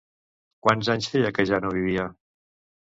Quants anys feia que ja no vivia?